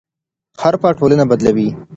حرفه ټولنه بدلوي.